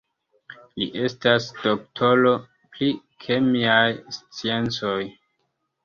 Li estas doktoro pri kemiaj sciencoj.